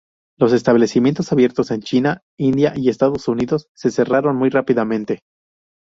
Los establecimientos abiertos en China, India y Estados Unidos se cerraron muy rápidamente.